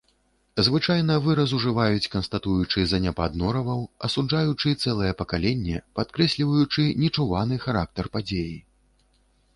Звычайна выраз ужываюць, канстатуючы заняпад нораваў, асуджаючы цэлае пакаленне, падкрэсліваючы нечуваны характар падзеі.